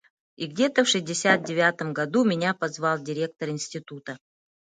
И где-то в шестьдесят девятом году меня позвал директор института.